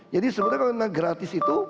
jadi sebenarnya kalau gratis itu